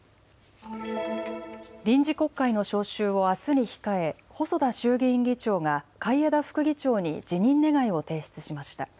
臨時国会の召集をあすに控え細田衆議院議長が海江田副議長に辞任願を提出しました。